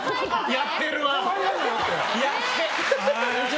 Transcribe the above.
やってるわ！